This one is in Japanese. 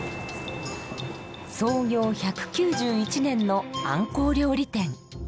創業１９１年のあんこう料理店。